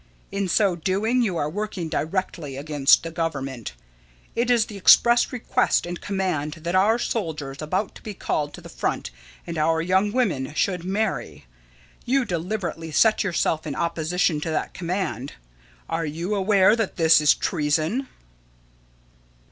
In so doing you are working directly against the Government. It is the express request and command that our soldiers about to be called to the front and our young women should marry. You deliberately set yourself in opposition to that command. Are you aware that that is treason?